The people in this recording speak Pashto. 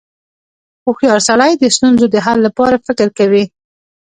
• هوښیار سړی د ستونزو د حل لپاره فکر کوي.